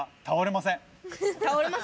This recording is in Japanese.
倒れません。